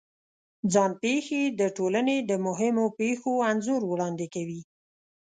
ځان پېښې د ټولنې د مهمو پېښو انځور وړاندې کوي.